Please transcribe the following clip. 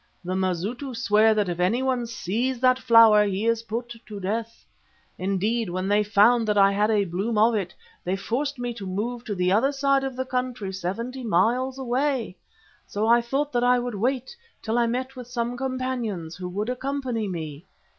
The Mazitu swear that if anyone sees that flower he is put to death. Indeed, when they found that I had a bloom of it, they forced me to move to the other side of the country seventy miles away. So I thought that I would wait till I met with some companions who would accompany me.